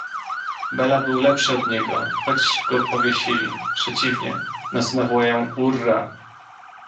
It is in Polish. "Bela był lepszy od niego, choć go powiesili; przeciwnie na syna wołają: urra!"